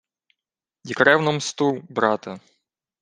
— Й кревну мсту, брате.